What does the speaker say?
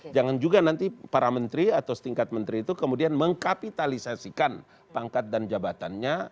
jangan juga nanti para menteri atau setingkat menteri itu kemudian mengkapitalisasikan pangkat dan jabatannya